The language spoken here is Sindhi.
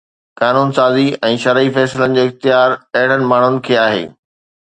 قانون سازي ۽ شرعي فيصلن جو اختيار اهڙن ماڻهن کي آهي